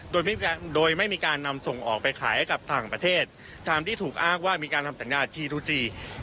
โดยไม่มีการนำส่งออกไปขายให้กับต่างประเทศตามที่ถูกอ้างว่ามีการทำสัญญาจีรูจี